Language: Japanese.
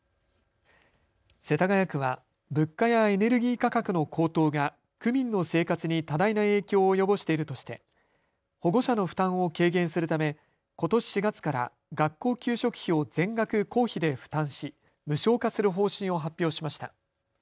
世田谷区は物価やエネルギー価格の高騰が区民の生活に多大な影響を及ぼしているとして保護者の負担を軽減するためことし４月から学校給食費を全額公費で負担し無償化する方針を発表しました。